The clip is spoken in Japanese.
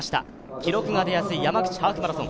記録が出やすい山口ハーフマラソン。